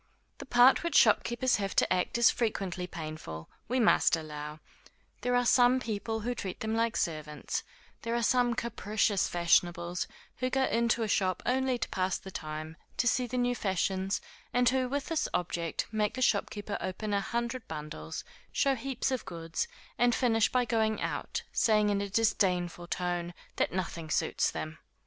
The part which shopkeepers have to act is frequently painful, we must allow; there are some people who treat them like servants; there are some capricious fashionables, who go into a shop only to pass the time, to see the new fashions, and who, with this object make the shopkeeper open a hundred bundles, show heaps of goods, and finish by going out, saying in a disdainful tone that nothing suits them.